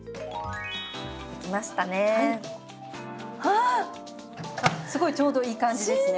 あっすごいちょうどいい感じですね。